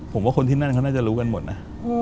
ผมว่าคนที่นั่นเขาน่าจะรู้กันหมดนะ